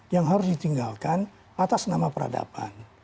yang harus ditinggalkan atas nama peradaban